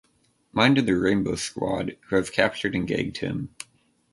Mind and the Rainbow Squad, who have captured and gagged him.